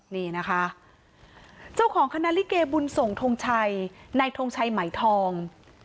นี่นะคะเจ้าของคณะลิเกบุญส่งทงชัยนายทงชัยไหมทอง